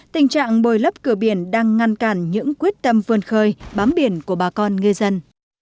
tình trạng bồi lấp cửa biển đang ngăn cản những quyết tâm vươn khơi bám biển của bà con ngư dân